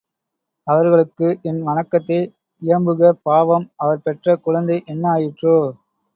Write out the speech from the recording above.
அவர்களுக்கு என் வணக்கத்தை இயம்புக பாவம் அவர் பெற்ற குழந்தை என்ன ஆயிற்றோ!